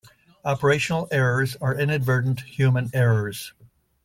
Operational errors are inadvertent human errors.